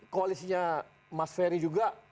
koalisinya mas ferry juga